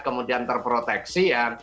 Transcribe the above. kemudian terproteksi ya